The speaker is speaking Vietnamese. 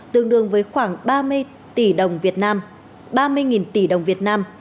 tương đương với khoảng ba mươi tỷ đồng việt nam